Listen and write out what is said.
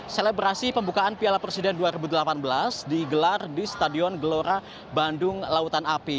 selebrasi pembukaan piala presiden dua ribu delapan belas digelar di stadion gelora bandung lautan api